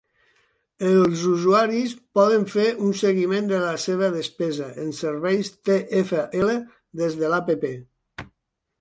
Els usuaris poden fer un seguiment de la seva despesa en serveis TfL des de l'app.